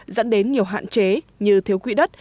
dẫn đến nhiều hạn chế như thiếu quỹ đất